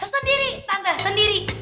sendiri tante sendiri